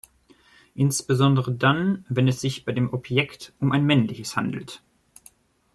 Insbesondere dann, wenn es sich bei dem Objekt um ein männliches handelt.